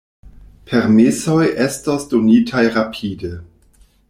Permesoj estos donitaj rapide.